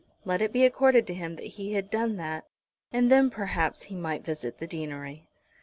Let it be accorded to him that he had done that, and then perhaps he might visit the deanery.